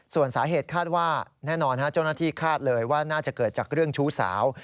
ส่วนสาเหตุคาดว่าแน่นอนเจ้าหน้าที่คาดเลยว่าน่าจะเกิดจากเรื่องชู้สาว